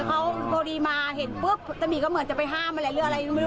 ก็ไม่รู้เลยว่าเหตุการณ์ต่อไปแบบไหน